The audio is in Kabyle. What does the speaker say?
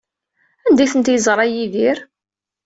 Anda ay tent-yeẓra Yidir?